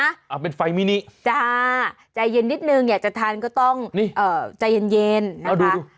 อันนี้ปรุงเองเป็นไฟมิหนิจะใจเย็นนิดนึงอยากจะทานก็ต้องใจเย็นนะค่ะ